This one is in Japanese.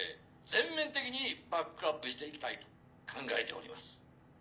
全面的にバックアップして行きたいと考えております。